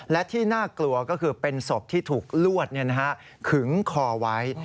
และที่น่ากลัวก็คือเป็นศพที่ถูกลวดขึงคอไว้